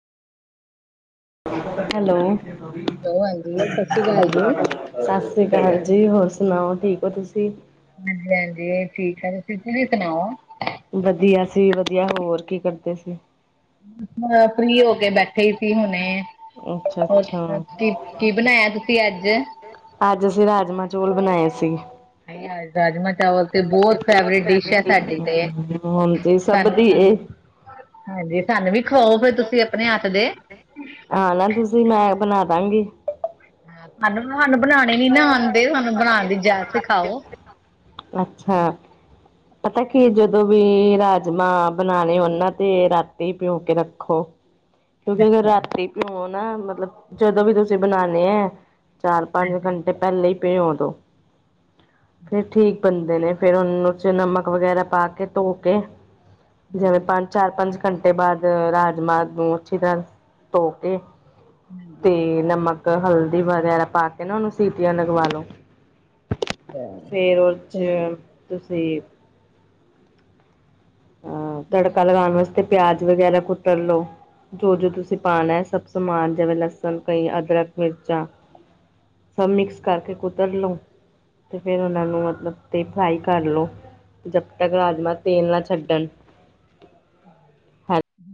Hello. Hello ਹਾਂਜੀ ਸਤਿ ਸ਼੍ਰੀ ਅਕਾਲ ਜੀ। ਸਤਿ ਸ੍ਰੀ ਅਕਾਲ ਜੀ, ਹੋਰ ਸੁਣਾਓ ਠੀਕ ਹੋ ਤੁਸੀਂ? ਵਧੀਆ ਜੀ, ਠੀਕ ਆ ਤੁਸੀਂ, ਤੁਸੀਂ ਸੁਣਾਓ? ਵਧੀਆ, ਅਸੀ ਵੀ ਵਧੀਆ। ਹੋਰ, ਕੀ ਕਰਦੇ ਸੀ? ਫ੍ਰੀ ਹੋਕੇ ਬੈਠੇ ਸੀ ਹੁਣੇ। ਅੱਛਾ ਹੋਰ, ਅੱਛਾ ਕੀ, ਕੀ ਬਣਾਇਆ ਤੁਸੀਂ ਅੱਜ? ਅੱਜ ਅਸੀਂ, ਰਾਜਮਾਂ-ਚੋਲ ਬਣਾਏ ਸੀਗੇ। ਰਾਜਮਾਂ ਚਾਵਲ ਤੇ ਬਹੁਤ ਫੇਵਰੇਟ ਡਿਸ਼ ਐ ਸਾਡੀ ਤੇ ਹੁਣ ਤੇ ਸਭ ਸਾਨ ਦੀ ਇਹ ਹਾਂਜੀ, ਸਾਨੂੰ ਵੀ ਖਵਾਓ ਫੇਰ ਤੁਸੀਂ ਆਪਣੇ ਹੱਥ ਦੇ। ਆ ਨਾ ਤੁਸੀਂ ਮੈਂ ਬਣਾ ਦਵਾਂਗੀ। ਸਾਨੂੰ ਸਾਨੂੰ ਬਣਾਣੇ ਨੀ ਨਾ ਆਂਦੇ ਸਾਨੂੰ ਬਣਾਣ ਦੀ ਜਾਂਚ ਸਿਖਾੳ। ਅੱਛਾ, ਪਤਾ ਕੀ ਜਦੋਂ ਵੀ ਰਾਜਮਾਂ ਬਣਾਣੇ ਹੋਣ ਤੇ ਰਾਤੀ ਪਿਉਂ ਕੇ ਰੱਖੋ। [inaudible] ਕਿਉਂਕਿ ਅਗਰ ਰਾਤੀ ਭਿਓ ਨਾ ਮਤਲਬ ਜਦੋਂ ਵੀ ਤੁਸੀਂ ਬਣਾਣੇ ਆ ਚਾਰ ਪੰਜ। ਹਾਂਜੀ ਘੰਟੇ ਪਹਿਲੇ ਹੀ ਪਿਓ ਦੋ। ਫਿਰ ਠੀਕ ਬਣਦੇ ਨੇ ਫੇਰ ਉਹ ਚ ਨਮਕ ਵਗੈਰਾ ਪਾ ਕੇ ਧੋ ਕੇ। ਜਿਵੇਂ ਹਾਂਜੀ ਪੰਜ ਚਾਰ ਪੰਜ ਘੰਟੇ ਬਾਅਦ ਰਾਜਮਾ ਨੂੰ ਅੱਛੀ ਤਰ੍ਹਾਂ ਧੋ ਕੇ। ਤੇ ਨਮਕ ਹਲਦੀ ਵਗੈਰਾ ਪਾ ਕੇ ਨਾ ਉਹਨੂੰ ਸੀਟੀਆਂ ਲਗਵਾ ਲੋ। ਹਾਂਜੀ। ਫੇਰ ਉਹ ਤੇ ਚ ਤੁਸੀਂ ਅ ਤੜਕਾ ਮਸਾਲੇ ਲਗਾਣ ਵਗੈਰਾ ਵਾਸਤੇ ਪਾਣੇ ਪਿਆਜ ਵਗੈਰਾ ਕੁੱਟਣ ਲਓ। ਜੋ ਜੋ ਤੁਸੀਂ ਪਾਣਾ ਐ ਸਭ ਸਮਾਨ ਜਿਵੇਂ ਲਸਣ ਕਈ ਅਦਰਕ, ਮਿਰਚਾਂ ਸਭ ਮਿਕਸ ਕਰਕੇ ਕੁਤਰ ਲਓ। ਤੇ ਫਿਰ ਉਹਨਾਂ ਨੂੰ ਮਤਲਬ ਤੇ ਫਰਾਈ ਕਰ ਲਓ ਜਦ ਤੱਕ ਰਾਜਮਹ ਤੇਲ ਨਾ ਛੱਡਣ